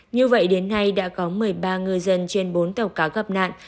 như vậy đến nay đã có một mươi ba ngư dân trên bốn tàu cá gặp nạn